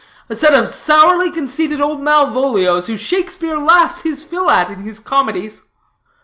A set of sourly conceited old Malvolios, whom Shakespeare laughs his fill at in his comedies."